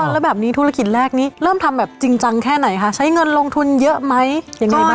แล้วแบบนี้ธุรกิจแรกนี้เริ่มทำแบบจริงจังแค่ไหนคะใช้เงินลงทุนเยอะไหมยังไงบ้าง